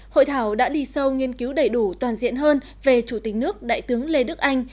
hội thảo đã đi sâu nghiên cứu đầy đủ toàn diện hơn về chủ tịch nước đại tướng lê đức anh